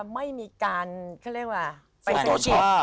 ไม่มีการเขาเรียกว่า